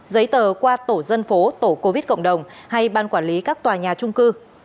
giấy tờ qua tổ dân phố tổ covid cộng đồng hay ban quản lý các tòa nhà trung cư